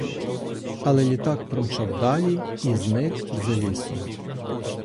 Але літак промчав далі і зник за лісом.